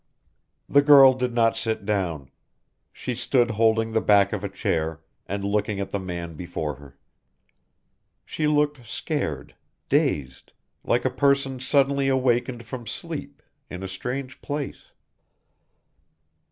The girl did not sit down. She stood holding the back of a chair, and looking at the man before her. She looked scared, dazed, like a person suddenly awakened from sleep, in a strange place.